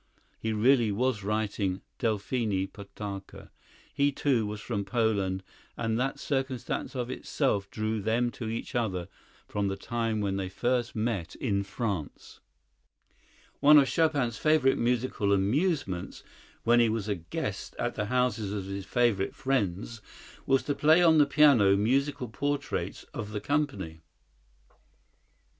He really was writing "Delphine Potocka." He, too, was from Poland, and that circumstance of itself drew them to each other from the time when they first met in France. One of Chopin's favorite musical amusements, when he was a guest at the houses of his favorite friends, was to play on the piano musical portraits of the company.